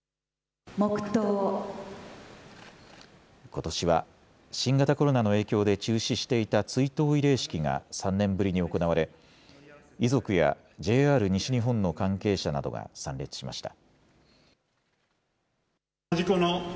ことしは新型コロナの影響で中止していた追悼慰霊式が３年ぶりに行われ遺族やＪＲ西日本の関係者などが参列しました。